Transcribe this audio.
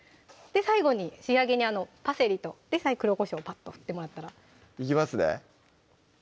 最後に仕上げにパセリと黒こしょうぱっと振ってもらったらいきますね